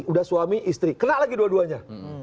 udah suami istri kena lagi dua duanya